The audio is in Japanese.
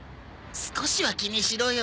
少しは気にしろよ。